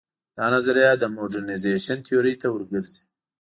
دا نظریه د موډرنیزېشن تیورۍ ته ور ګرځي.